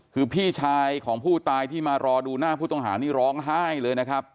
คือพี่ชายของผู้ตายที่มารอดูหน้าผู้ต้องหานี่ร้องไห้เลยนะครับ